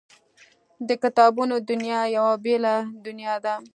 د کتابونو دنیا یوه بېله دنیا ده